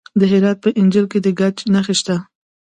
د هرات په انجیل کې د ګچ نښې شته.